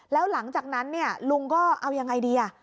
แล้วหลังจากนั้นเนี่ยลุงก็เอายังไงดี